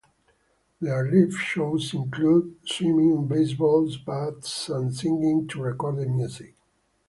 Their live shows included swinging baseball bats and singing to recorded music.